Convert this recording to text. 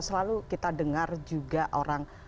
selalu kita dengar juga orang